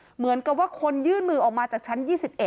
เหมือนกับว่าคนยื่นมือออกมาจากชั้น๒๑